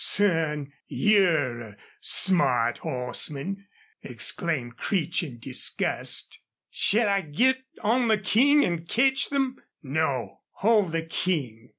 "Son, you're a smart hossman!" exclaimed Creech, in disgust. "Shall I git on the King an' ketch them?" "No. Hold the King."